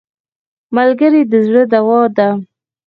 ملګری د زړه دوا ده